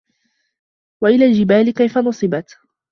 وَإِلَى الجِبالِ كَيفَ نُصِبَت